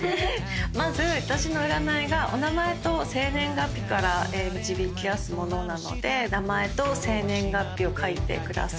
まず私の占いがお名前と生年月日から導き出すものなので名前と生年月日を書いてください。